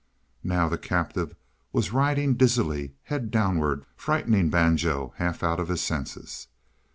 Now the captive was riding dizzily, head downward, frightening Banjo half out of his senses.